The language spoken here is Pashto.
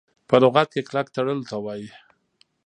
په لغت کي کلک تړلو ته وايي .